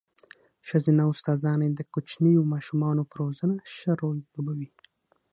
ښځينه استاداني د کوچنيو ماشومانو په روزنه ښه رول لوبوي.